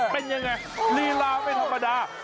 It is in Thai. เป็นยังไงลีลาไม่ธรรมดา